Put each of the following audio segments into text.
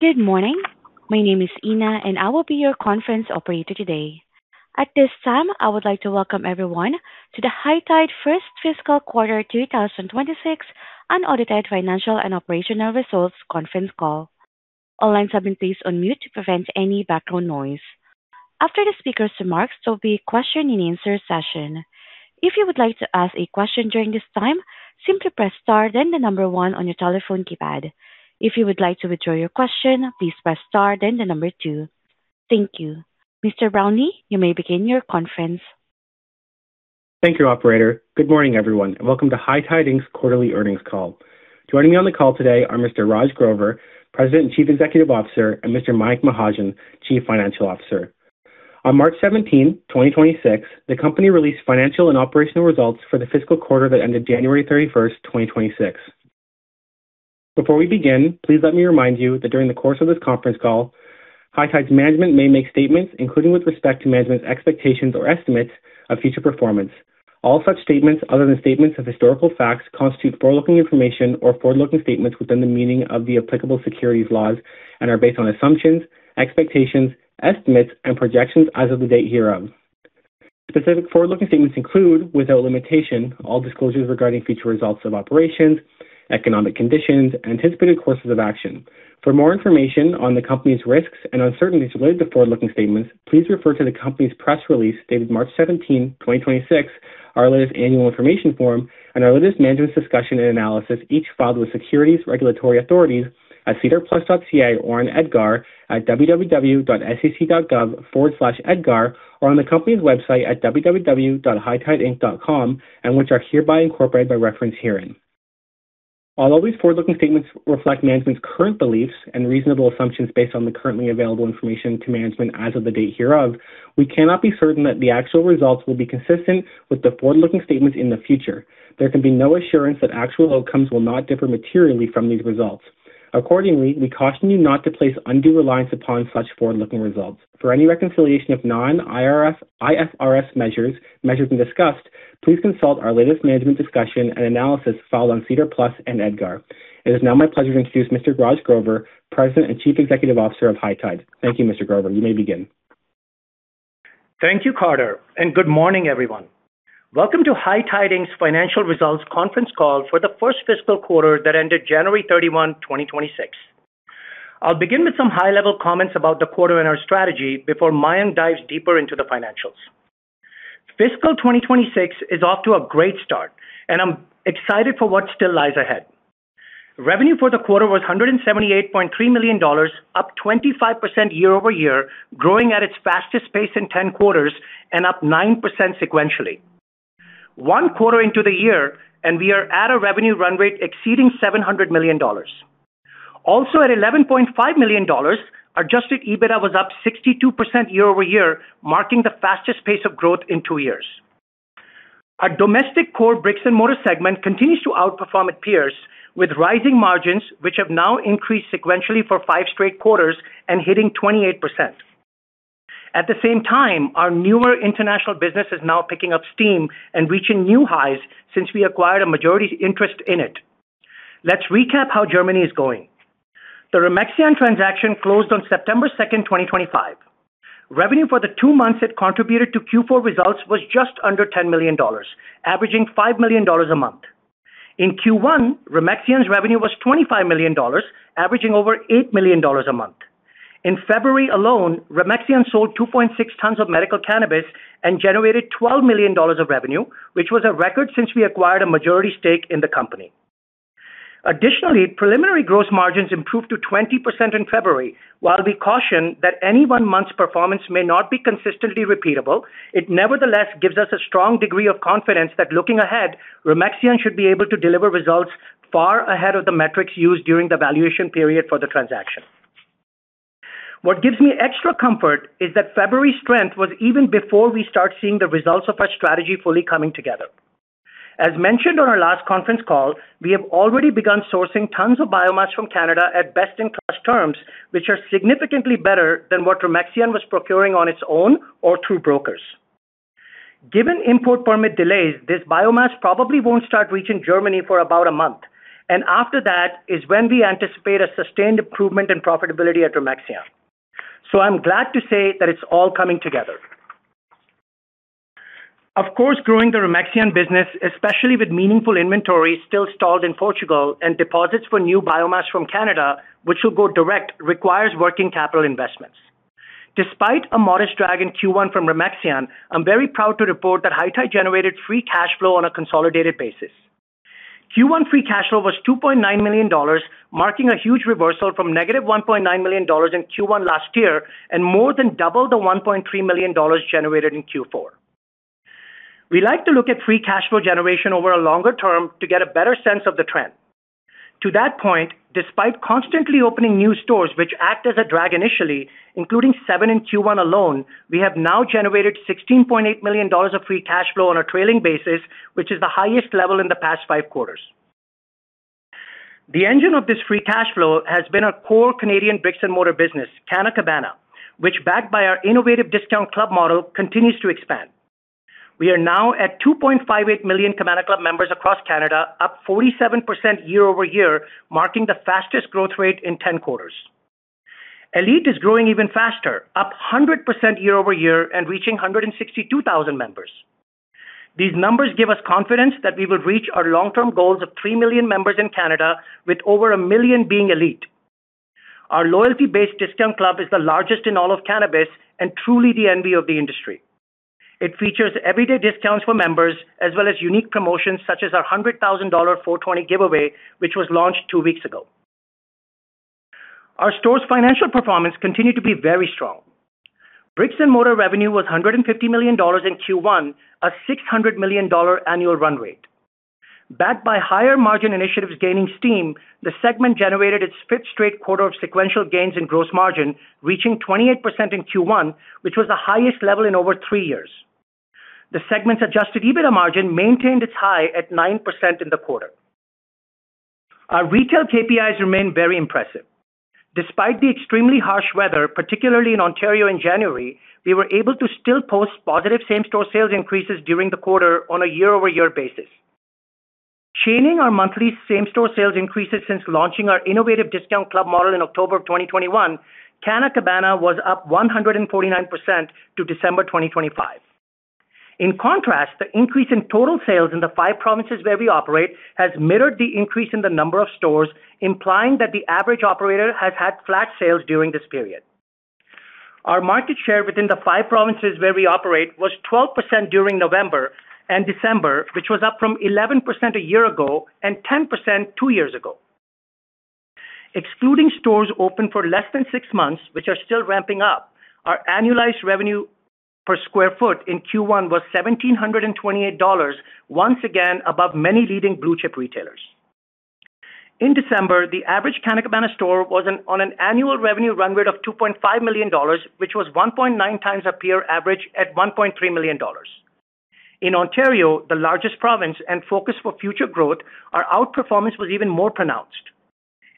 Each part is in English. Good morning. My name is Ina, and I will be your conference operator today. At this time, I would like to welcome everyone to the High Tide FY Q1 2026 Unaudited Financial and Operational Results Conference Call. All lines have been placed on mute to prevent any background noise. After the speaker's remarks, there will be Q&A session. If you would like to ask a question during this time, simply press star then the number one on your telephone keypad. If you would like to withdraw your question, please press star then the number two. Thank you. Mr. Brownlee, you may begin your conference. Thank you, operator. Good morning, everyone, and Welcome to High Tide's Quarterly Earnings Call. Joining me on the call today are Mr. Raj Grover, President and Chief Executive Officer, and Mr. Mayank Mahajan, Chief Financial Officer. On 17th of March 2026, the company released financial and operational results for the FY quarter that ended 31st of January 2026. Before we begin, please let me remind you that during the course of this conference call, High Tide's management may make statements, including with respect to management's expectations or estimates of future performance. All such statements other than statements of historical facts constitute forward-looking information or forward-looking statements within the meaning of the applicable securities laws and are based on assumptions, expectations, estimates, and projections as of the date hereof. Specific forward-looking statements include, without limitation, all disclosures regarding future results of operations, economic conditions, anticipated courses of action. For more information on the company's risks and uncertainties related to forward-looking statements, please refer to the company's press release dated 17th of March 2026, our latest annual information form and our latest management's discussion and analysis, each filed with securities regulatory authorities at sedarplus.ca or on EDGAR at www.sec.gov/edgar or on the company's website at www.hightideinc.com and which are hereby incorporated by reference herein. Although these forward-looking statements reflect management's current beliefs and reasonable assumptions based on the currently available information to management as of the date hereof, we cannot be certain that the actual results will be consistent with the forward-looking statements in the future. There can be no assurance that actual outcomes will not differ materially from these results. Accordingly, we caution you not to place undue reliance upon such forward-looking results. For any reconciliation of non-IFRS measures we discussed, please consult our latest management discussion and analysis filed on SEDAR+ and EDGAR. It is now my pleasure to introduce Mr. Raj Grover, President and Chief Executive Officer of High Tide. Thank you, Mr. Grover. You may begin. Thank you, Carter, and good morning, everyone. Welcome to High Tide's Financial Results Conference Call for the FY Q1 that ended 31st of January 2026. I'll begin with some high-level comments about the quarter and our strategy before Mayank dives deeper into the financials. FY 2026 is off to a great start, and I'm excited for what still lies ahead. Revenue for the quarter was 178.3 million dollars, up 25% year-over-year, growing at its fastest pace in 10 quarters and up 9% sequentially. One quarter into the year, and we are at a revenue run rate exceeding 700 million dollars. Also at 11.5 million dollars, adjusted EBITDA was up 62% year-over-year, marking the fastest pace of growth in 2 years. Our domestic core brick-and-mortar segment continues to outperform its peers, with rising margins, which have now increased sequentially for 5 straight quarters and hitting 28%. At the same time, our newer international business is now picking up steam and reaching new highs since we acquired a majority interest in it. Let's recap how Germany is going. The Remexian transaction closed on 2nd of September 2025. Revenue for the two months it contributed to Q4 results was just under EUR 10 million, averaging EUR 5 million a month. In Q1, Remexian's revenue was EUR 25 million, averaging over EUR 8 million a month. In February alone, Remexian sold 2.6 tons of medical cannabis and generated EUR 12 million of revenue, which was a record since we acquired a majority stake in the company. Additionally, preliminary gross margins improved to 20% in February. While we caution that any one month's performance may not be consistently repeatable, it nevertheless gives us a strong degree of confidence that looking ahead, Remexian should be able to deliver results far ahead of the metrics used during the valuation period for the transaction. What gives me extra comfort is that February's strength was even before we start seeing the results of our strategy fully coming together. As mentioned on our last conference call, we have already begun sourcing tons of biomass from Canada at best-in-class terms, which are significantly better than what Remexian was procuring on its own or through brokers. Given import permit delays, this biomass probably won't start reaching Germany for about a month, and after that is when we anticipate a sustained improvement in profitability at Remexian. I'm glad to say that it's all coming together. Of course, growing the Remexian business, especially with meaningful inventory still stalled in Portugal and deposits for new biomass from Canada, which will go direct, requires working capital investments. Despite a modest drag in Q1 from Remexian, I'm very proud to report that High Tide generated Free Cash Flow on a consolidated basis. Q1 Free Cash Flow was 2.9 million dollars, marking a huge reversal from -1.9 million dollars in Q1 last year and more than double the 1.3 million dollars generated in Q4. We like to look at Free Cash Flow generation over a longer term to get a better sense of the trend. To that point, despite constantly opening new stores, which act as a drag initially, including 7 in Q1 alone, we have now generated 16.8 million dollars of free cash flow on a trailing basis, which is the highest level in the past 5 quarters. The engine of this free cash flow has been our core Canadian brick-and-mortar business, Canna Cabana, which, backed by our innovative discount club model, continues to expand. We are now at 2.58 million Cabana Club members across Canada, up 47% year-over-year, marking the fastest growth rate in 10 quarters. Elite is growing even faster, up 100% year-over-year and reaching 162,000 members. These numbers give us confidence that we will reach our long-term goals of 3 million members in Canada with over 1 million being elite. Our loyalty-based discount club is the largest in all of cannabis and truly the envy of the industry. It features everyday discounts for members as well as unique promotions such as our 100,420 dollar giveaway, which was launched two weeks ago. Our store's financial performance continued to be very strong. Brick-and-mortar revenue was 150 million dollars in Q1, a 600 million dollar annual run rate. Backed by higher margin initiatives gaining steam, the segment generated its fifth straight quarter of sequential gains in gross margin, reaching 28% in Q1, which was the highest level in over three years. The segment's adjusted EBITDA margin maintained its high at 9% in the quarter. Our retail KPIs remain very impressive. Despite the extremely harsh weather, particularly in Ontario in January, we were able to still post positive same-store sales increases during the quarter on a year-over-year basis. Chaining our monthly same-store sales increases since launching our innovative discount club model in October 2021, Canna Cabana was up 149% to December 2025. In contrast, the increase in total sales in the five provinces where we operate has mirrored the increase in the number of stores, implying that the average operator has had flat sales during this period. Our market share within the five provinces where we operate was 12% during November and December, which was up from 11% a year ago and 10% two years ago. Excluding stores open for less than six months, which are still ramping up, our annualized revenue per sq ft in Q1 was 1,728 dollars, once again above many leading blue-chip retailers. In December, the average Canna Cabana store was on an annual revenue run rate of 2.5 million dollars, which was 1.9 times our peer average at 1.3 million dollars. In Ontario, the largest province and focus for future growth, our outperformance was even more pronounced.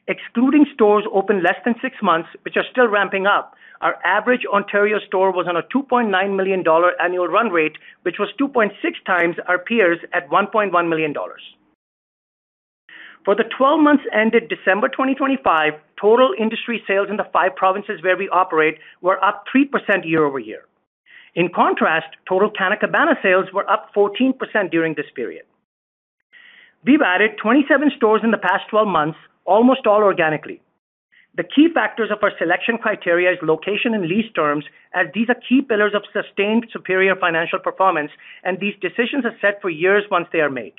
Excluding stores open less than six months, which are still ramping up, our average Ontario store was on a 2.9 million dollar annual run rate, which was 2.6 times our peers at 1.1 million dollars. For the twelve months ended December 2025, total industry sales in the five provinces where we operate were up 3% year-over-year. In contrast, total Canna Cabana sales were up 14% during this period. We've added 27 stores in the past 12 months, almost all organically. The key factors of our selection criteria is location and lease terms, as these are key pillars of sustained superior financial performance, and these decisions are set for years once they are made.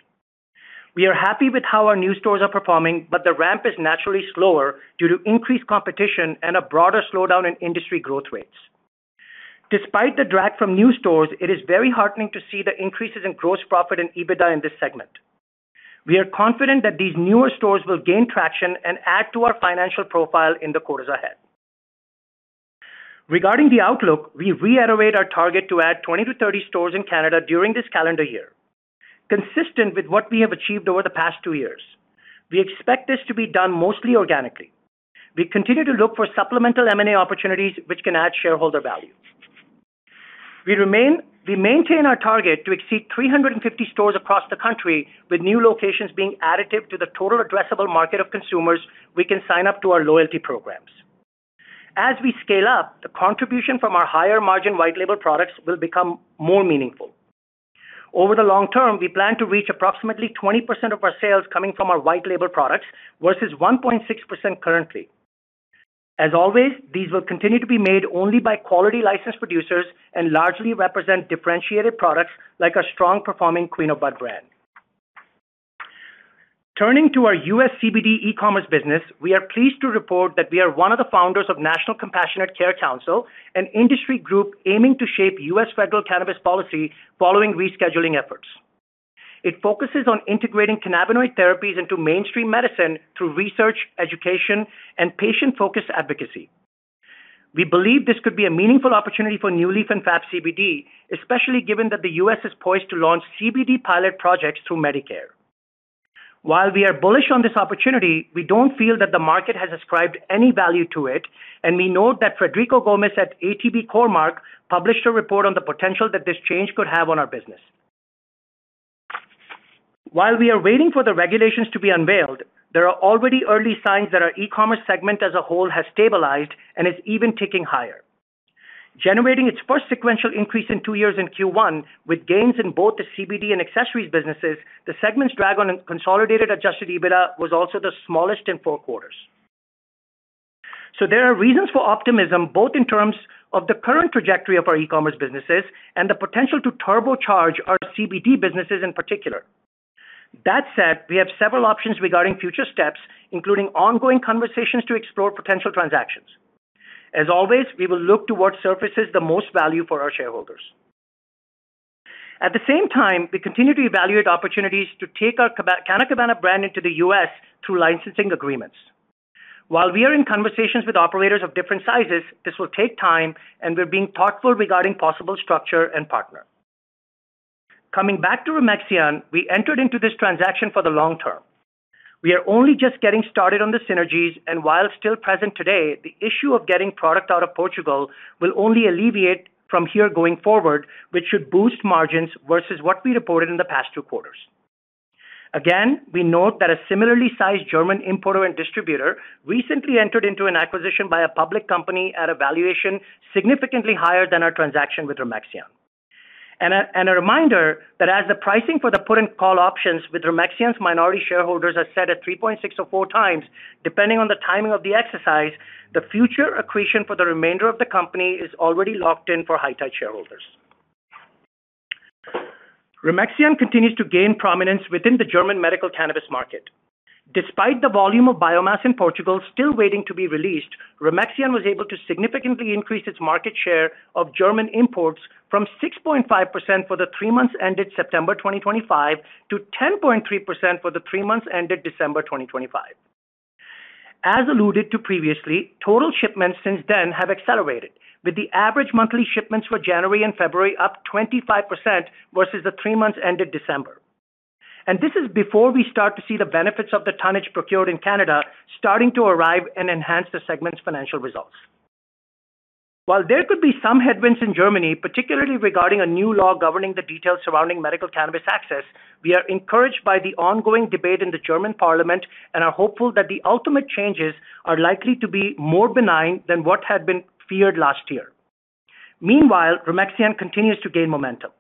We are happy with how our new stores are performing, but the ramp is naturally slower due to increased competition and a broader slowdown in industry growth rates. Despite the drag from new stores, it is very heartening to see the increases in gross profit and EBITDA in this segment. We are confident that these newer stores will gain traction and add to our financial profile in the quarters ahead. Regarding the outlook, we reiterate our target to add 20-30 stores in Canada during this calendar year. Consistent with what we have achieved over the past two years, we expect this to be done mostly organically. We continue to look for supplemental M&A opportunities which can add shareholder value. We maintain our target to exceed 350 stores across the country, with new locations being additive to the total addressable market of consumers we can sign up to our loyalty programs. As we scale up, the contribution from our higher-margin white label products will become more meaningful. Over the long term, we plan to reach approximately 20% of our sales coming from our white label products versus 1.6% currently. As always, these will continue to be made only by quality licensed producers and largely represent differentiated products like our strong-performing Queen of Bud brand. Turning to our U.S. CBD e-commerce business, we are pleased to report that we are one of the founders of National Compassionate Care Council, an industry group aiming to shape U.S. federal cannabis policy following rescheduling efforts. It focuses on integrating cannabinoid therapies into mainstream medicine through research, education, and patient-focused advocacy. We believe this could be a meaningful opportunity for NuLeaf and FABCBD, especially given that the U.S. is poised to launch CBD pilot projects through Medicare. While we are bullish on this opportunity, we don't feel that the market has ascribed any value to it, and we note that Frederico Gomes at ATB Capital Markets published a report on the potential that this change could have on our business. While we are waiting for the regulations to be unveiled, there are already early signs that our e-commerce segment as a whole has stabilized and is even ticking higher. Generating its first sequential increase in two years in Q1 with gains in both the CBD and accessories businesses, the segment's drag on consolidated Adjusted EBITDA was also the smallest in 4 quarters. There are reasons for optimism both in terms of the current trajectory of our e-commerce businesses and the potential to turbocharge our CBD businesses in particular. That said, we have several options regarding future steps, including ongoing conversations to explore potential transactions. As always, we will look to what surfaces the most value for our shareholders. At the same time, we continue to evaluate opportunities to take our Canna Cabana brand into the U.S. through licensing agreements. While we are in conversations with operators of different sizes, this will take time, and we're being thoughtful regarding possible structure and partner. Coming back to Remexian, we entered into this transaction for the long term. We are only just getting started on the synergies, and while still present today, the issue of getting product out of Portugal will only alleviate from here going forward, which should boost margins versus what we reported in the past 2 quarters. Again, we note that a similarly sized German importer and distributor recently entered into an acquisition by a public company at a valuation significantly higher than our transaction with Remexian. A reminder that as the pricing for the put and call options with Remexian's minority shareholders are set at 3.6x or 4x, depending on the timing of the exercise, the future accretion for the remainder of the company is already locked in for High Tide shareholders. Remexian continues to gain prominence within the German medical cannabis market. Despite the volume of biomass in Portugal still waiting to be released, Remexian was able to significantly increase its market share of German imports from 6.5% for the three months ended September 2025 to 10.3% for the three months ended December 2025. As alluded to previously, total shipments since then have accelerated, with the average monthly shipments for January and February up 25% versus the three months ended December. This is before we start to see the benefits of the tonnage procured in Canada starting to arrive and enhance the segment's financial results. While there could be some headwinds in Germany, particularly regarding a new law governing the details surrounding medical cannabis access, we are encouraged by the ongoing debate in the German parliament and are hopeful that the ultimate changes are likely to be more benign than what had been feared last year. Meanwhile, Remexian continues to gain momentum.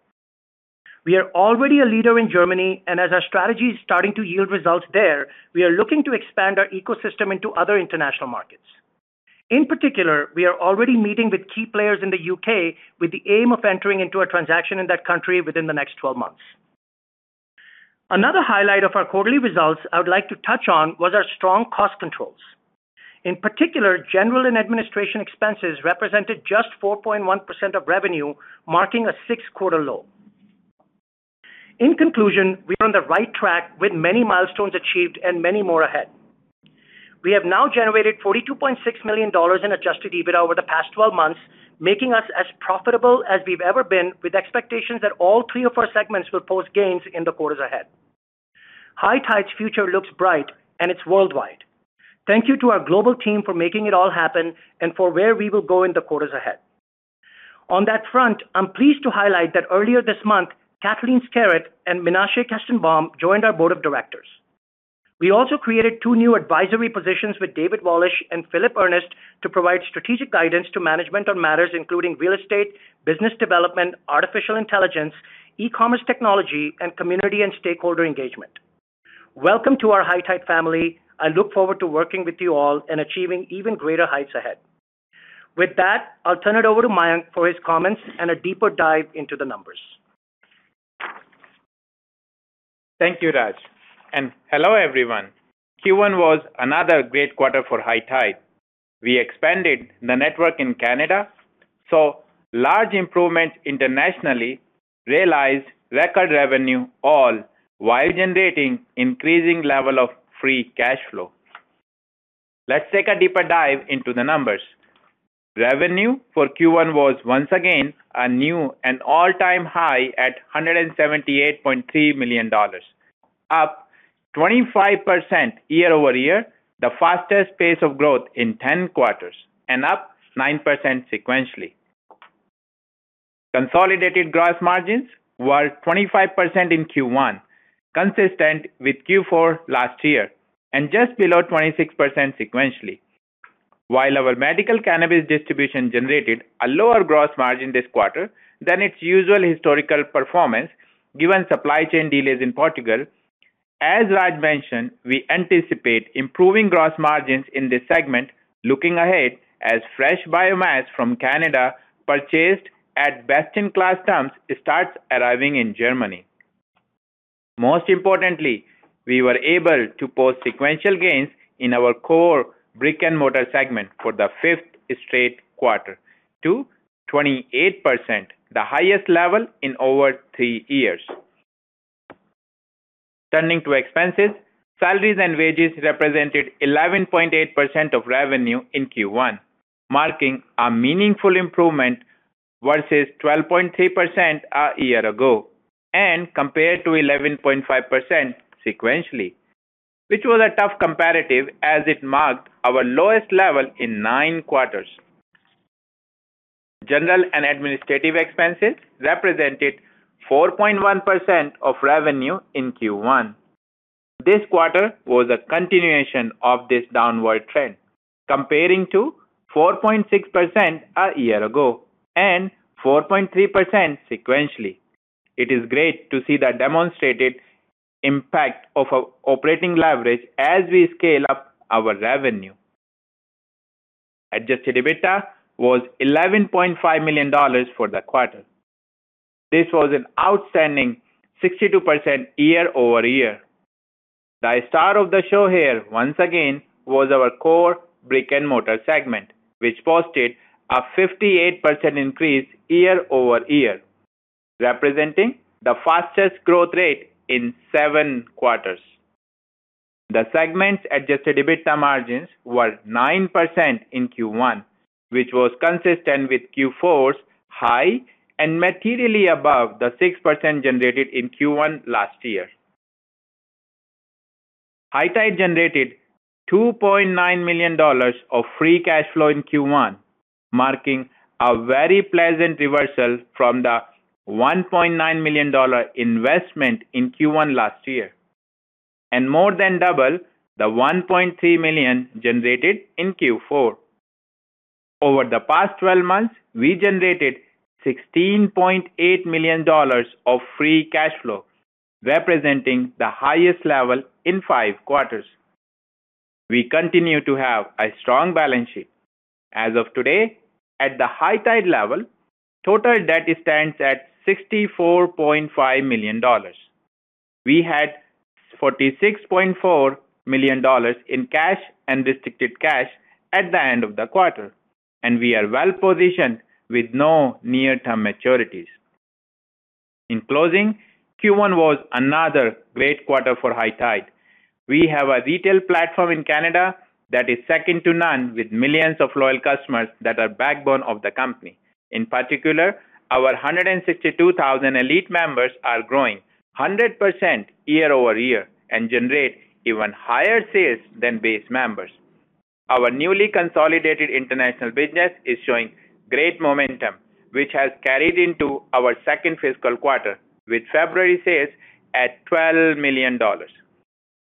We are already a leader in Germany, and as our strategy is starting to yield results there, we are looking to expand our ecosystem into other international markets. In particular, we are already meeting with key players in the U.K. with the aim of entering into a transaction in that country within the next twelve months. Another highlight of our quarterly results I would like to touch on was our strong cost controls. In particular, general and administration expenses represented just 4.1% of revenue, marking a six-quarter low. In conclusion, we are on the right track with many milestones achieved and many more ahead. We have now generated 42.6 million dollars in Adjusted EBITDA over the past 12 months, making us as profitable as we've ever been, with expectations that all 3 of our segments will post gains in the quarters ahead. High Tide's future looks bright and it's worldwide. Thank you to our global team for making it all happen and for where we will go in the quarters ahead. On that front, I'm pleased to highlight that earlier this month, Kathleen Skerrett and Menashe Kestenbaum joined our board of directors. We also created 2 new advisory positions with David Wallach and Filip Ernest to provide strategic guidance to management on matters including real estate, business development, artificial intelligence, e-commerce technology, and community and stakeholder engagement. Welcome to our High Tide family. I look forward to working with you all and achieving even greater heights ahead. With that, I'll turn it over to Mayank for his comments and a deeper dive into the numbers. Thank you, Raj, and hello, everyone. Q1 was another great quarter for High Tide. We expanded the network in Canada, saw large improvements internationally, realized record revenue, all while generating increasing level of free cash flow. Let's take a deeper dive into the numbers. Revenue for Q1 was once again a new and all-time high at 178.3 million dollars, up 25% year-over-year, the fastest pace of growth in 10 quarters, and up 9% sequentially. Consolidated gross margins were 25% in Q1, consistent with Q4 last year and just below 26% sequentially. While our medical cannabis distribution generated a lower gross margin this quarter than its usual historical performance, given supply chain delays in Portugal, as Raj mentioned, we anticipate improving gross margins in this segment looking ahead as fresh biomass from Canada purchased at best-in-class terms starts arriving in Germany. Most importantly, we were able to post sequential gains in our core brick-and-mortar segment for the 5th straight quarter to 28%, the highest level in over 3 years. Turning to expenses, salaries and wages represented 11.8% of revenue in Q1, marking a meaningful improvement versus 12.3% a year ago, and compared to 11.5% sequentially, which was a tough comparative as it marked our lowest level in 9 quarters. General and administrative expenses represented 4.1% of revenue in Q1. This quarter was a continuation of this downward trend, comparing to 4.6% a year ago and 4.3% sequentially. It is great to see the demonstrated impact of our operating leverage as we scale up our revenue. Adjusted EBITDA was 11.5 million dollars for the quarter. This was an outstanding 62% year-over-year. The star of the show here once again was our core brick-and-mortar segment, which posted a 58% increase year-over-year, representing the fastest growth rate in 7 quarters. The segment's adjusted EBITDA margins were 9% in Q1, which was consistent with Q4's high and materially above the 6% generated in Q1 last year. High Tide generated 2.9 million dollars of free cash flow in Q1, marking a very pleasant reversal from the 1.9 million dollar investment in Q1 last year, and more than double the 1.3 million generated in Q4. Over the past 12 months, we generated 16.8 million dollars of free cash flow, representing the highest level in 5 quarters. We continue to have a strong balance sheet. As of today, at the High Tide level, total debt stands at 64.5 million dollars. We had 46.4 million dollars in cash and restricted cash at the end of the quarter, and we are well-positioned with no near-term maturities. In closing, Q1 was another great quarter for High Tide. We have a retail platform in Canada that is second to none, with millions of loyal customers that are backbone of the company. In particular, our 162,000 Elite members are growing 100% year-over-year and generate even higher sales than base members. Our newly consolidated international business is showing great momentum, which has carried into our FY Q2, with February sales at 12 million dollars.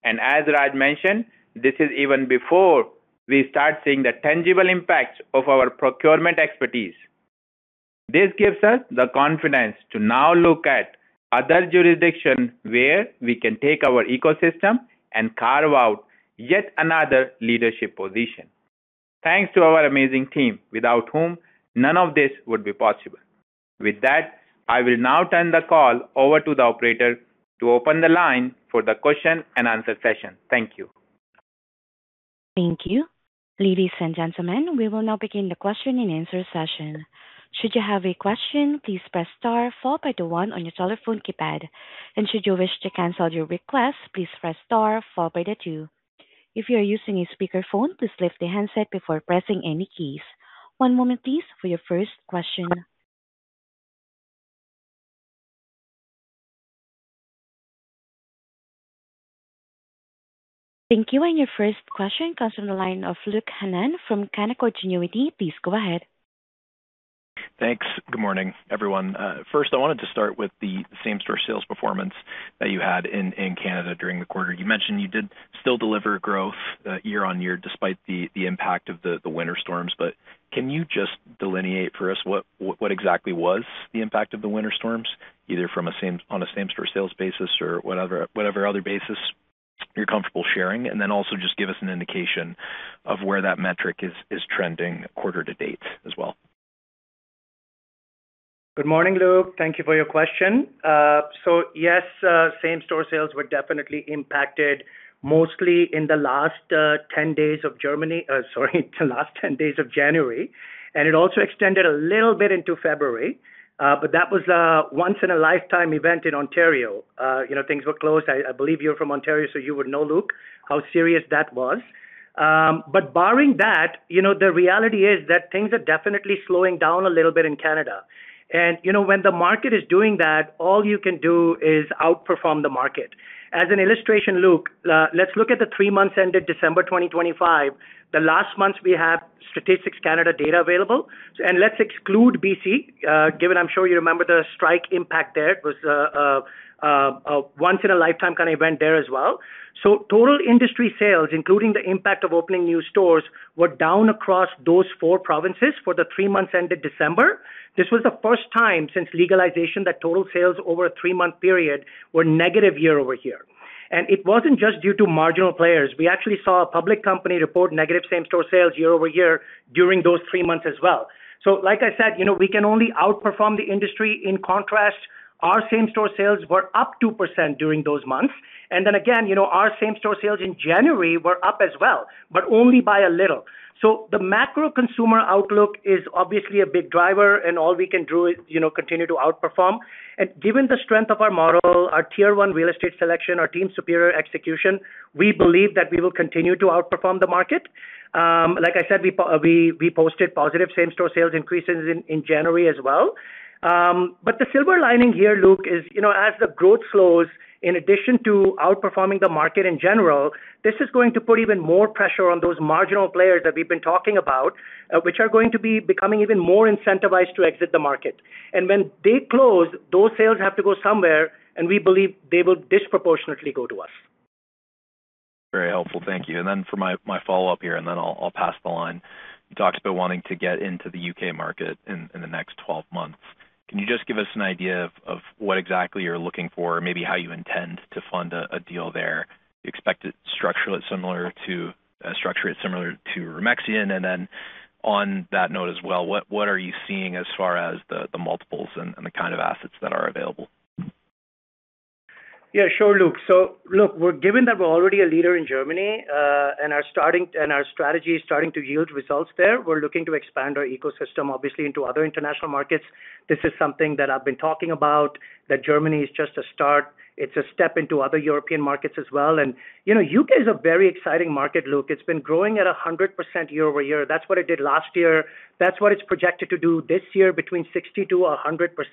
As Raj mentioned, this is even before we start seeing the tangible impacts of our procurement expertise. This gives us the confidence to now look at other jurisdictions where we can take our ecosystem and carve out yet another leadership position. Thanks to our amazing team, without whom none of this would be possible. With that, I will now turn the call over to the operator to open the line for the Q&A session. Thank you. Thank you. Ladies and gentlemen, we will now begin the Q&A session. Should you have a question, please press star four by the one on your telephone keypad. Should you wish to cancel your request, please press star four by the two. If you are using a speakerphone, please lift the handset before pressing any keys. One moment please for your first question. Thank you. Your first question comes from the line of Luke Hannan from Canaccord Genuity. Please go ahead. Thanks. Good morning, everyone. First I wanted to start with the same-store sales performance that you had in Canada during the quarter. You mentioned you did still deliver growth year on year despite the impact of the winter storms. Can you just delineate for us what exactly was the impact of the winter storms, either from a same-store sales basis or whatever other basis you're comfortable sharing? Also just give us an indication of where that metric is trending quarter to date as well. Good morning, Luke. Thank you for your question. So yes, same-store sales were definitely impacted mostly in the last 10 days of January, and it also extended a little bit into February. But that was a once in a lifetime event in Ontario. You know, things were closed. I believe you're from Ontario, so you would know, Luke, how serious that was. But barring that, you know, the reality is that things are definitely slowing down a little bit in Canada. You know when the market is doing that, all you can do is outperform the market. As an illustration, Luke, let's look at the three months ended December 2025, the last months we have Statistics Canada data available. Let's exclude BC, given I'm sure you remember the strike impact there. It was a once in a lifetime kind of event there as well. Total industry sales, including the impact of opening new stores, were down across those four provinces for the three months ended December. This was the first time since legalization that total sales over a three-month period were negative year-over-year. It wasn't just due to marginal players. We actually saw a public company report negative same-store sales year-over-year during those three months as well. Like I said, you know, we can only outperform the industry. In contrast, our same-store sales were up 2% during those months. Again, you know, our same-store sales in January were up as well, but only by a little. The macro consumer outlook is obviously a big driver, and all we can do is, you know, continue to outperform. Given the strength of our model, our tier one real estate selection, our team's superior execution, we believe that we will continue to outperform the market. Like I said, we posted positive same-store sales increases in January as well. The silver lining here, Luke, is, you know, as the growth slows, in addition to outperforming the market in general, this is going to put even more pressure on those marginal players that we've been talking about, which are going to be becoming even more incentivized to exit the market. When they close, those sales have to go somewhere, and we believe they will disproportionately go to us. Very helpful. Thank you. For my follow-up here, I'll pass the line. You talked about wanting to get into the U.K. market in the next 12 months. Can you just give us an idea of what exactly you're looking for or maybe how you intend to fund a deal there? Do you expect to structure it similar to Remexian? On that note as well, what are you seeing as far as the multiples and the kind of assets that are available? Yeah, sure, Luke. Look, we're given that we're already a leader in Germany, and our strategy is starting to yield results there. We're looking to expand our ecosystem obviously into other international markets. This is something that I've been talking about, that Germany is just a start. It's a step into other European markets as well. You know, the U.K. is a very exciting market, Luke. It's been growing at 100% year-over-year. That's what it did last year. That's what it's projected to do this year, 60%-100%.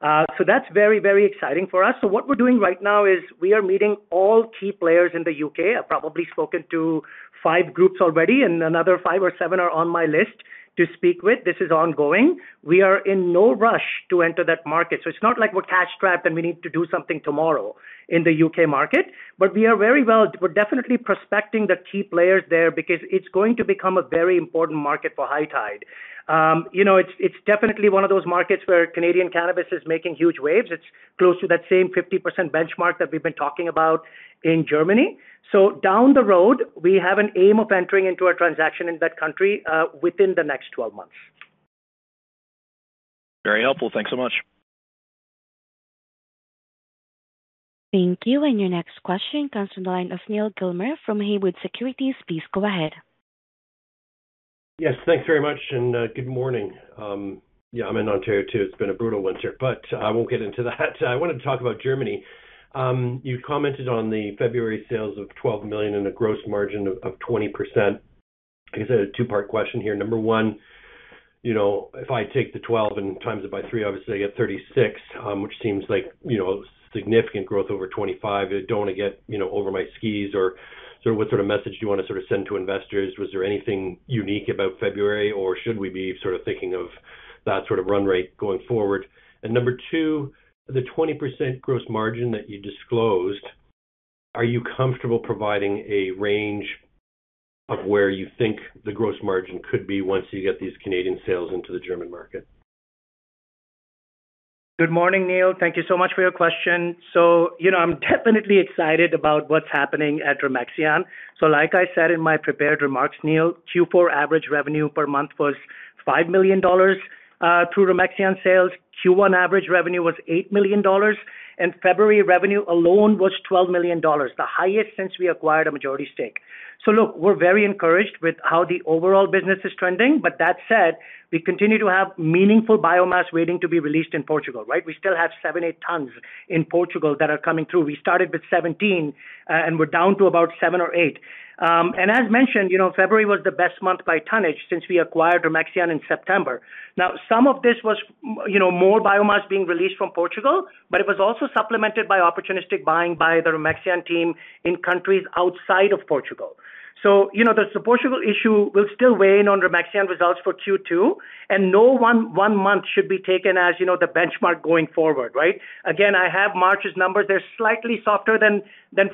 That's very, very exciting for us. What we're doing right now is we are meeting all key players in the U.K. I've probably spoken to 5 groups already, and another 5 or 7 are on my list to speak with. This is ongoing. We are in no rush to enter that market, so it's not like we're cash-strapped, and we need to do something tomorrow in the U.K. market. We're definitely prospecting the key players there because it's going to become a very important market for High Tide. You know, it's definitely one of those markets where Canadian cannabis is making huge waves. It's close to that same 50% benchmark that we've been talking about in Germany. Down the road, we have an aim of entering into a transaction in that country within the next 12 months. Very helpful. Thanks so much. Thank you. Your next question comes from the line of Neal Gilmer from Haywood Securities. Please go ahead. Yes, thanks very much, and good morning. Yeah, I'm in Ontario too. It's been a brutal winter, but I won't get into that. I wanted to talk about Germany. You commented on the February sales of 12 million and a gross margin of 20%. I guess a two-part question here. Number one, you know, if I take the 12 and times it by 3, obviously I get 36, which seems like, you know, significant growth over 25. I don't wanna get, you know, over my skis. What sort of message do you wanna sort of send to investors? Was there anything unique about February, or should we be sort of thinking of that sort of run rate going forward? Number 2, the 20% gross margin that you disclosed, are you comfortable providing a range of where you think the gross margin could be once you get these Canadian sales into the German market? Good morning, Neal. Thank you so much for your question. You know, I'm definitely excited about what's happening at Remexian. Like I said in my prepared remarks, Neal, Q4 average revenue per month was EUR 5 million through Remexian sales. Q1 average revenue was EUR 8 million. February revenue alone was EUR 12 million, the highest since we acquired a majority stake. Look, we're very encouraged with how the overall business is trending. That said, we continue to have meaningful biomass waiting to be released in Portugal, right? We still have 7-8 tons in Portugal that are coming through. We started with 17, and we're down to about 7 or 8. As mentioned, you know, February was the best month by tonnage since we acquired Remexian in September. Now, some of this was, you know, more biomass being released from Portugal, but it was also supplemented by opportunistic buying by the Remexian team in countries outside of Portugal. You know, the Portugal issue will still weigh in on Remexian results for Q2, and no one month should be taken, as you know, the benchmark going forward, right? Again, I have March's numbers. They're slightly softer than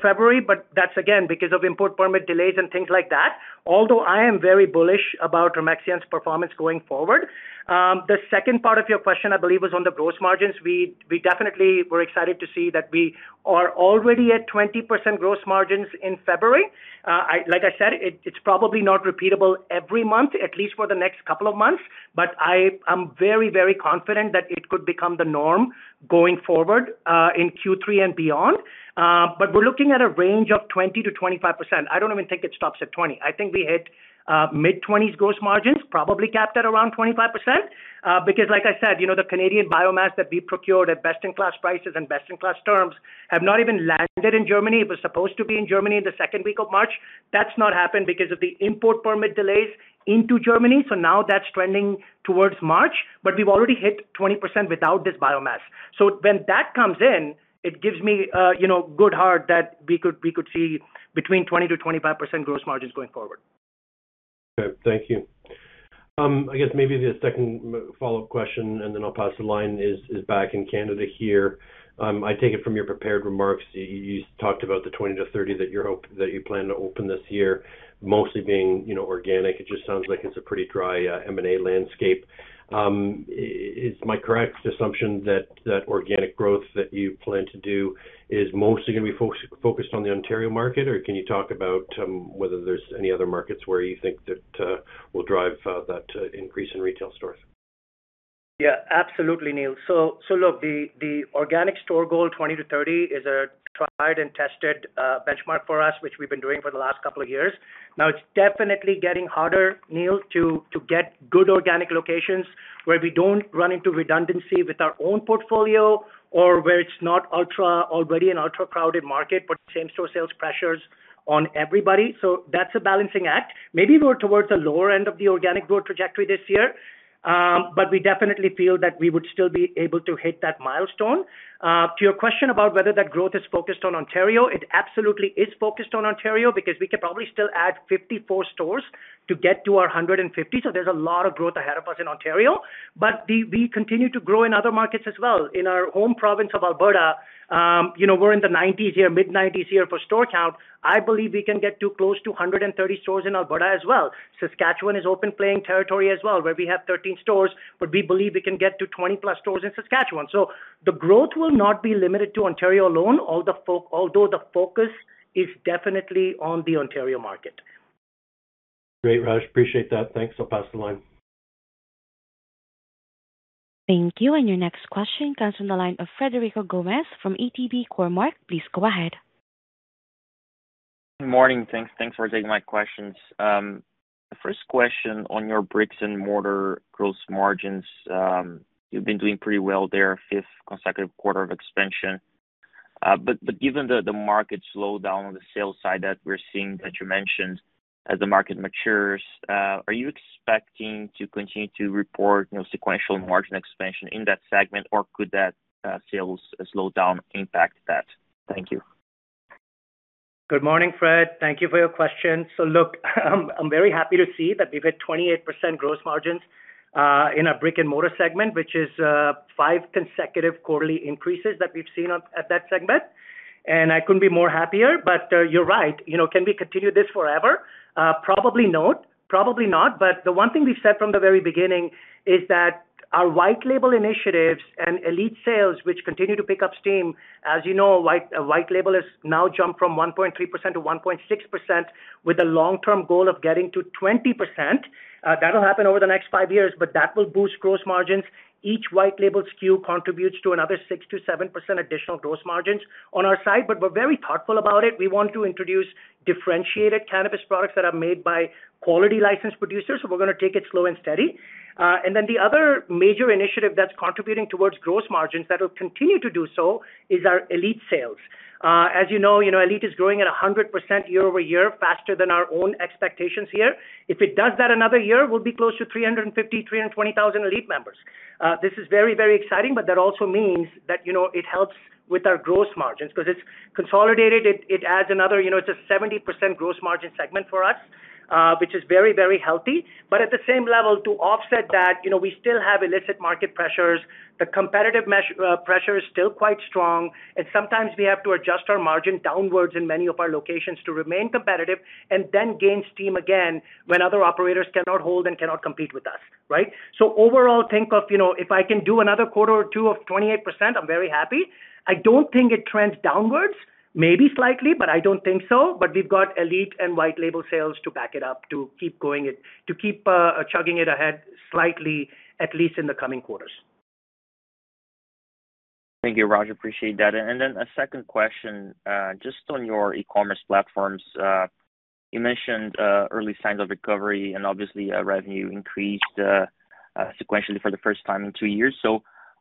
February, but that's again because of import permit delays and things like that. Although I am very bullish about Remexian's performance going forward. The second part of your question, I believe, was on the gross margins. We definitely were excited to see that we are already at 20% gross margins in February. Like I said, it's probably not repeatable every month, at least for the next couple of months, but I'm very, very confident that it could become the norm going forward, in Q3 and beyond. We're looking at a range of 20%-25%. I don't even think it stops at 20. I think we hit mid-20s gross margins, probably capped at around 25%. Because like I said, you know, the Canadian biomass that we procured at best-in-class prices and best-in-class terms have not even landed in Germany. It was supposed to be in Germany in the second week of March. That's not happened because of the import permit delays into Germany. Now that's trending towards March, but we've already hit 20% without this biomass. When that comes in, it gives me, you know, good heart that we could see between 20%-25% gross margins going forward. Okay. Thank you. I guess maybe the second follow-up question, and then I'll pass the line, is back in Canada here. I take it from your prepared remarks, you talked about the 20-30 that you plan to open this year, mostly being, you know, organic. It just sounds like it's a pretty dry M&A landscape. Is my correct assumption that organic growth that you plan to do is mostly gonna be focused on the Ontario market? Or can you talk about whether there's any other markets where you think that will drive that increase in retail stores? Yeah, absolutely, Neal. Look, the organic store goal, 20-30, is a tried and tested benchmark for us, which we've been doing for the last couple of years. Now, it's definitely getting harder, Neal, to get good organic locations where we don't run into redundancy with our own portfolio or where it's not already an ultra-crowded market, putting same-store sales pressures on everybody. That's a balancing act. Maybe we're towards the lower end of the organic growth trajectory this year, but we definitely feel that we would still be able to hit that milestone. To your question about whether that growth is focused on Ontario, it absolutely is focused on Ontario because we could probably still add 54 stores to get to our 150. There's a lot of growth ahead of us in Ontario. We continue to grow in other markets as well. In our home province of Alberta, you know, we're in the 90s here, mid-90s here for store count. I believe we can get to close to 130 stores in Alberta as well. Saskatchewan is open playing territory as well, where we have 13 stores, but we believe we can get to 20-plus stores in Saskatchewan. The growth will not be limited to Ontario alone, although the focus is definitely on the Ontario market. Great, Raj. Appreciate that. Thanks. I'll pass the line. Thank you. Your next question comes from the line of Frederico Gomes from ATB Capital Markets. Please go ahead. Good morning. Thanks. Thanks for taking my questions. The first question on your brick-and-mortar gross margins. You've been doing pretty well there, fifth consecutive quarter of expansion. But given the market slowdown on the sales side that we're seeing that you mentioned as the market matures, are you expecting to continue to report, you know, sequential margin expansion in that segment or could that sales slowdown impact that? Thank you. Good morning, Fred. Thank you for your question. Look, I'm very happy to see that we've hit 28% gross margins in our brick-and-mortar segment, which is five consecutive quarterly increases that we've seen at that segment, and I couldn't be more happier. You're right, you know, can we continue this forever? Probably not. The one thing we've said from the very beginning is that our white label initiatives and elite sales, which continue to pick up steam, as you know, a white label has now jumped from 1.3% to 1.6% with a long-term goal of getting to 20%. That'll happen over the next five years, but that will boost gross margins. Each white label SKU contributes to another 6%-7% additional gross margins on our side, but we're very thoughtful about it. We want to introduce differentiated cannabis products that are made by quality licensed producers, so we're gonna take it slow and steady. The other major initiative that's contributing towards gross margins that will continue to do so is our Elite sales. As you know, you know, Elite is growing at 100% year-over-year, faster than our own expectations here. If it does that another year, we'll be close to 320,000 Elite members. This is very, very exciting, but that also means that, you know, it helps with our gross margins because it's consolidated. It adds another, you know, it's a 70% gross margin segment for us, which is very, very healthy. At the same level, to offset that, you know, we still have illicit market pressures. The competitive pressure is still quite strong, and sometimes we have to adjust our margin downwards in many of our locations to remain competitive and then gain steam again when other operators cannot hold and cannot compete with us, right? Overall, think of, you know, if I can do another quarter or two of 28%, I'm very happy. I don't think it trends downwards, maybe slightly, but I don't think so. We've got Elite and white label sales to back it up to keep chugging it ahead slightly, at least in the coming quarters. Thank you, Raj. Appreciate that. A second question, just on your e-commerce platforms. You mentioned early signs of recovery and obviously, revenue increased sequentially for the first time in two years.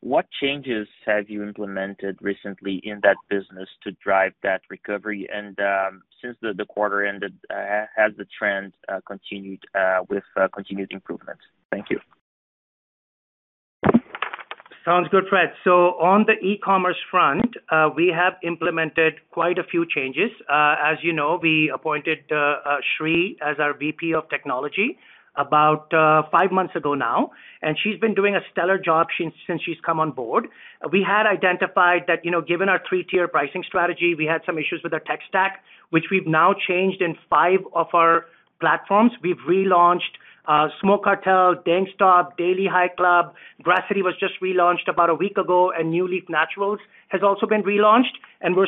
What changes have you implemented recently in that business to drive that recovery? Since the quarter ended, has the trend continued with continued improvements? Thank you. Sounds good, Fred. On the e-commerce front, we have implemented quite a few changes. As you know, we appointed Sri as our VP of technology about five months ago now, and she's been doing a stellar job since she's come on board. We had identified that, you know, given our three-tier pricing strategy, we had some issues with our tech stack, which we've now changed in five of our platforms. We've relaunched Smoke Cartel, Dankstop, Daily High Club. Grasscity was just relaunched about a week ago, and NuLeaf Naturals has also been relaunched, and we're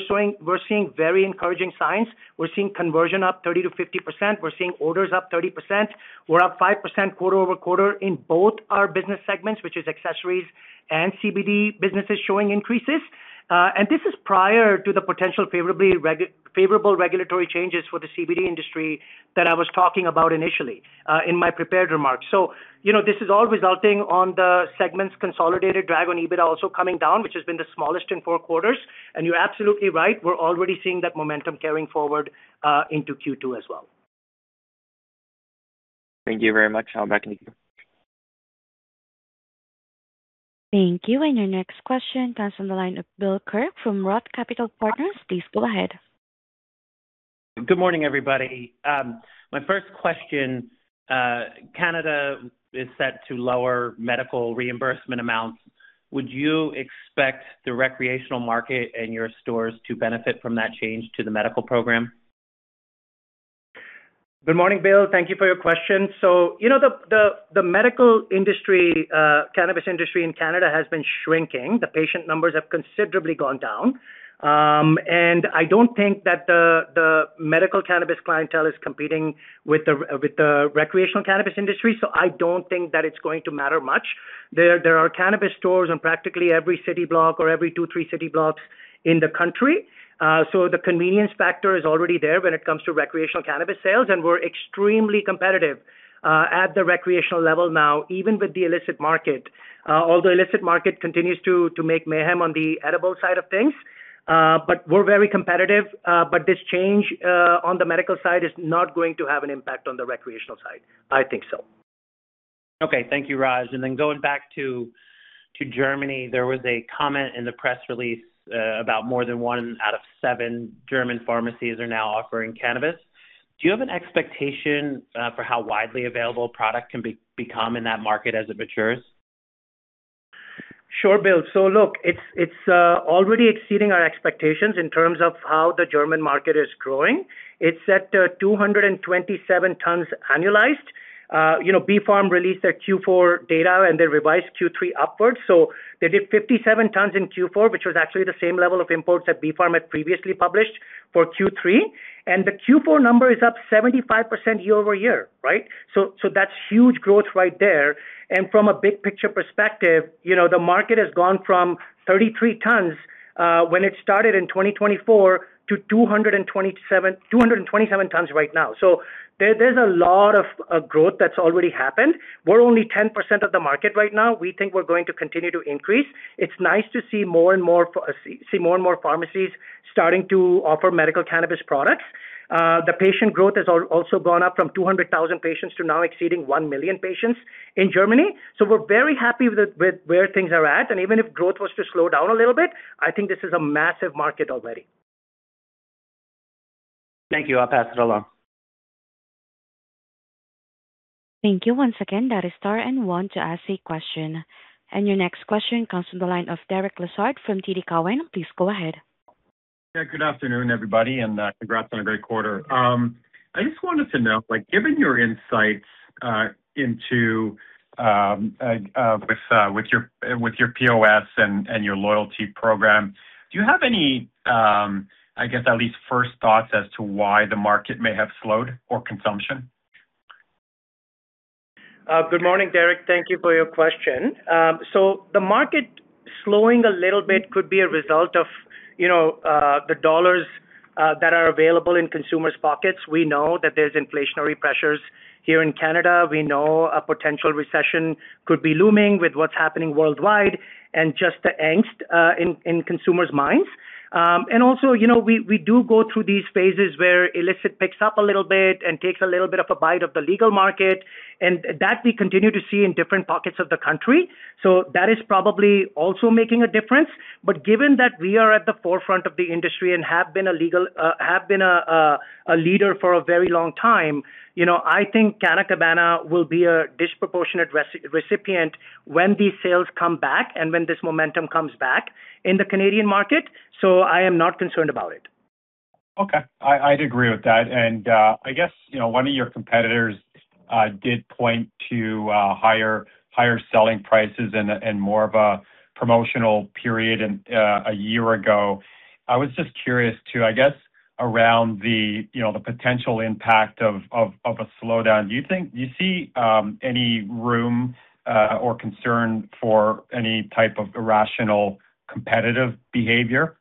seeing very encouraging signs. We're seeing conversion up 30%-50%. We're seeing orders up 30%. We're up 5% quarter-over-quarter in both our business segments, which is accessories and CBD businesses showing increases. This is prior to the potential favorable regulatory changes for the CBD industry that I was talking about initially, in my prepared remarks. You know, this is all resulting in the segments consolidated drag on EBITDA also coming down, which has been the smallest in 4 quarters. You're absolutely right, we're already seeing that momentum carrying forward, into Q2 as well. Thank you very much. Now back to you. Thank you. Your next question comes from the line of Bill Kirk from ROTH Capital Partners. Please go ahead. Good morning, everybody. My first question. Canada is set to lower medical reimbursement amounts. Would you expect the recreational market and your stores to benefit from that change to the medical program? Good morning, Bill. Thank you for your question. You know, the medical industry, cannabis industry in Canada has been shrinking. The patient numbers have considerably gone down. I don't think that the medical cannabis clientele is competing with the recreational cannabis industry, so I don't think that it's going to matter much. There are cannabis stores on practically every city block or every two, three city blocks in the country. The convenience factor is already there when it comes to recreational cannabis sales, and we're extremely competitive at the recreational level now, even with the illicit market. Although the illicit market continues to make mayhem on the edible side of things, we're very competitive. This change on the medical side is not going to have an impact on the recreational side, I think so. Okay. Thank you, Raj. Going back to Germany, there was a comment in the press release about more than one out of seven German pharmacies are now offering cannabis. Do you have an expectation for how widely available product can become in that market as it matures? Sure, Bill. Look, it's already exceeding our expectations in terms of how the German market is growing. It's at 227 tons annualized. You know, BfArM released their Q4 data and they revised Q3 upwards. They did 57 tons in Q4, which was actually the same level of imports that BfArM had previously published for Q3. The Q4 number is up 75% year-over-year, right? That's huge growth right there. From a big picture perspective, you know, the market has gone from 33 tons when it started in 2024 to 227 tons right now. There's a lot of growth that's already happened. We're only 10% of the market right now. We think we're going to continue to increase. It's nice to see more and more pharmacies starting to offer medical cannabis products. The patient growth has also gone up from 200,000 patients to now exceeding 1 million patients in Germany. We're very happy with where things are at. Even if growth was to slow down a little bit, I think this is a massive market already. Thank you. I'll pass it along. Thank you. Once again, that is star and one to ask a question. Your next question comes from the line of Derek Lessard from TD Cowen. Please go ahead. Yeah, good afternoon, everybody, and congrats on a great quarter. I just wanted to know, like, given your insights into, with your POS and your loyalty program, do you have any, I guess, at least first thoughts as to why the market may have slowed or consumption? Good morning, Derek. Thank you for your question. The market slowing a little bit could be a result of, you know, the dollars that are available in consumers' pockets. We know that there's inflationary pressures here in Canada. We know a potential recession could be looming with what's happening worldwide and just the angst in consumers' minds. Also, you know, we do go through these phases where illicit picks up a little bit and takes a little bit of a bite of the legal market, and that we continue to see in different pockets of the country. That is probably also making a difference. Given that we are at the forefront of the industry and have been a legal... have been a leader for a very long time, you know, I think Canna Cabana will be a disproportionate recipient when these sales come back and when this momentum comes back in the Canadian market. I am not concerned about it. Okay. I'd agree with that. I guess, you know, one of your competitors did point to higher selling prices and more of a promotional period in a year ago. I was just curious, too, I guess around the, you know, the potential impact of a slowdown. Do you think you see any room or concern for any type of irrational competitive behavior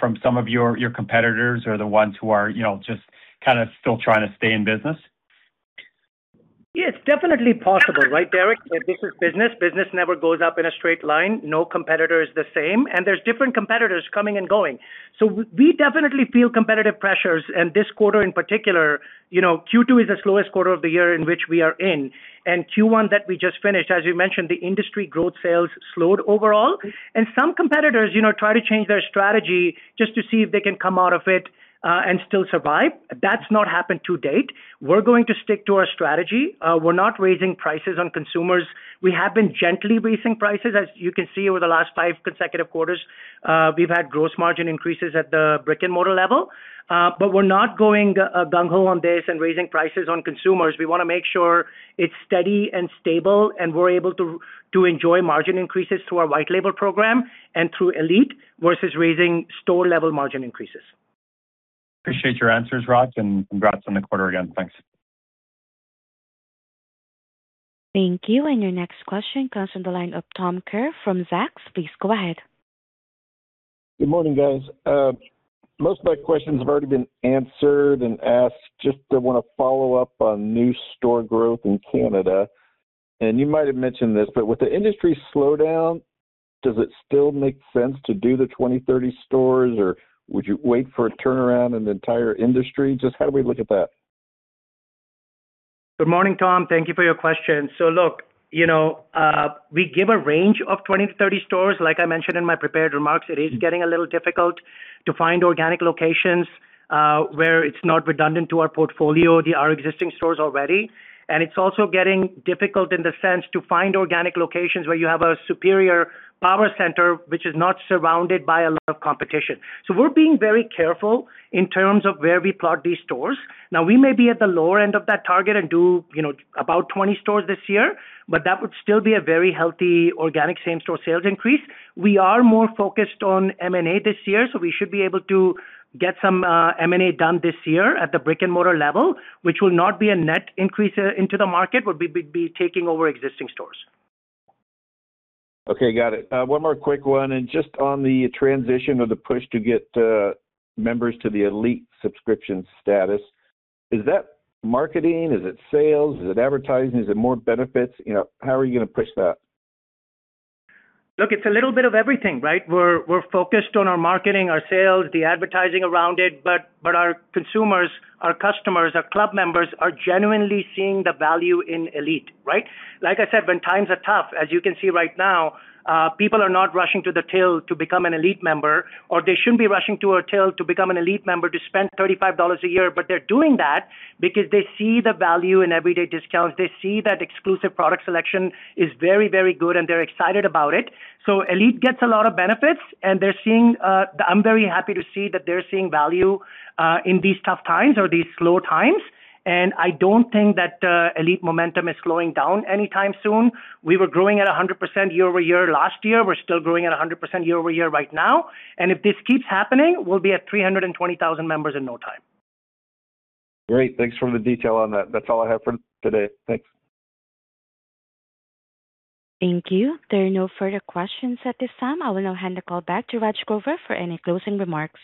from some of your competitors or the ones who are, you know, just kinda still trying to stay in business? Yeah. It's definitely possible, right, Derek? This is business. Business never goes up in a straight line. No competitor is the same, and there's different competitors coming and going. We definitely feel competitive pressures. This quarter in particular, you know, Q2 is the slowest quarter of the year in which we are in. Q1 that we just finished, as you mentioned, the industry growth sales slowed overall. Some competitors, you know, try to change their strategy just to see if they can come out of it and still survive. That's not happened to date. We're going to stick to our strategy. We're not raising prices on consumers. We have been gently raising prices. As you can see, over the last five consecutive quarters, we've had gross margin increases at the brick-and-mortar level. We're not going gung ho on this and raising prices on consumers. We wanna make sure it's steady and stable, and we're able to enjoy margin increases through our white label program and through Elite versus raising store-level margin increases. Appreciate your answers, Raj, and congrats on the quarter again. Thanks. Thank you. Your next question comes from the line of Tom Kerr from Zacks Investment Research. Please go ahead. Good morning, guys. Most of my questions have already been answered and asked. Just I wanna follow up on new store growth in Canada. You might have mentioned this, but with the industry slowdown, does it still make sense to do the 20-30 stores, or would you wait for a turnaround in the entire industry? Just how do we look at that? Good morning, Tom. Thank you for your question. Look, you know, we give a range of 20-30 stores. Like I mentioned in my prepared remarks, it is getting a little difficult to find organic locations where it's not redundant to our portfolio, our existing stores already. It's also getting difficult in the sense to find organic locations where you have a superior power center, which is not surrounded by a lot of competition. We're being very careful in terms of where we plot these stores. Now, we may be at the lower end of that target and do, you know, about 20 stores this year, but that would still be a very healthy organic same-store sales increase. We are more focused on M&A this year, so we should be able to get some M&A done this year at the brick-and-mortar level, which will not be a net increase into the market, but we'll be taking over existing stores. Okay, got it. One more quick one, just on the transition or the push to get members to the Elite subscription status, is that marketing? Is it sales? Is it advertising? Is it more benefits? You know, how are you gonna push that? Look, it's a little bit of everything, right? We're focused on our marketing, our sales, the advertising around it, but our consumers, our customers, our club members are genuinely seeing the value in Elite, right? Like I said, when times are tough, as you can see right now, people are not rushing to the till to become an Elite member, or they shouldn't be rushing to a till to become an Elite member to spend 35 dollars a year. They're doing that because they see the value in everyday discounts. They see that exclusive product selection is very, very good, and they're excited about it. Elite gets a lot of benefits, and they're seeing. I'm very happy to see that they're seeing value in these tough times or these slow times. I don't think that, Elite momentum is slowing down anytime soon. We were growing at 100% year-over-year last year. We're still growing at 100% year-over-year right now. If this keeps happening, we'll be at 320,000 members in no time. Great. Thanks for the detail on that. That's all I have for today. Thanks. Thank you. There are no further questions at this time. I will now hand the call back to Raj Grover for any closing remarks.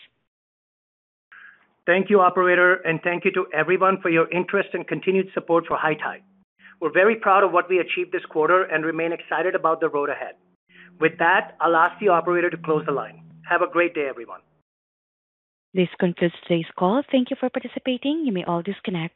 Thank you, operator, and thank you to everyone for your interest and continued support for High Tide. We're very proud of what we achieved this quarter and remain excited about the road ahead. With that, I'll ask the operator to close the line. Have a great day, everyone. This concludes today's call. Thank you for participating. You may all disconnect.